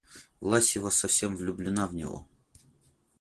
Власьева совсем влюблена в него.